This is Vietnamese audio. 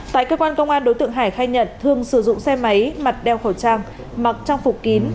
tại cơ quan công an đối tượng hải khai nhận thường sử dụng xe máy mặc đeo khẩu trang mặc trang phục kín